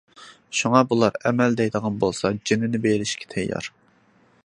شۇڭا بۇلار ئەمەل دەيدىغان بولسا جېنىنى بېرىشكە تەييار.